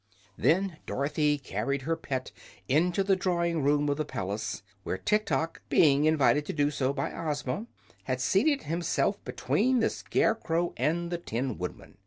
Then Dorothy carried her pet into the drawing room of the palace, where Tiktok, being invited to do so by Ozma, had seated himself between the Scarecrow and the Tin Woodman.